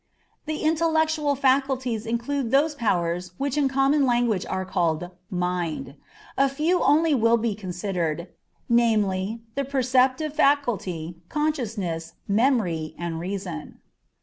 The Intellectual Faculties include those powers which in common language are called "mind." A few only will be considered namely, the perceptive faculty, consciousness, memory, and reason.